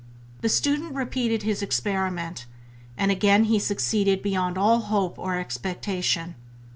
The student repeated his experiment, and again he succeeded beyond all hope or expectation.